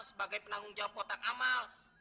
sebagai penanggung jawab kotak amal